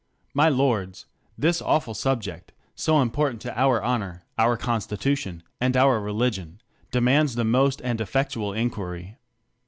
My lords, this awful subject, so important to our hons/, our constitution, and our religion, demands the most solemn and effectual inquiry.